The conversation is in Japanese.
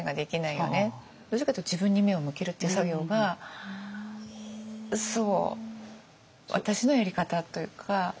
どちらかというと自分に目を向けるっていう作業が私のやり方というか。